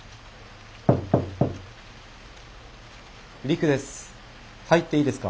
陸です。